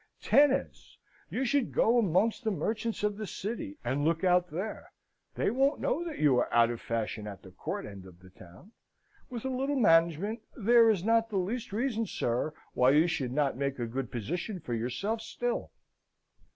Tenez! You should go amongst the merchants in the City, and look out there. They won't know that you are out of fashion at the Court end of the town. With a little management, there is not the least reason, sir, why you should not make a good position for yourself still.